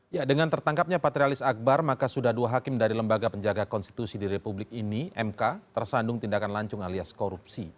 ya dengan tertangkapnya patrialis akbar maka sudah dua hakim dari lembaga penjaga konstitusi di republik ini mk tersandung tindakan lancung alias korupsi